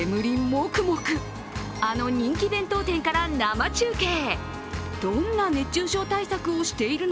もくもくあの人気弁当店から生中継。